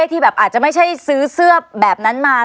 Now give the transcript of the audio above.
เท่อ่ะ